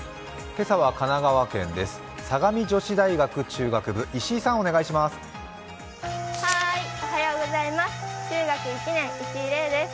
今朝は神奈川県です。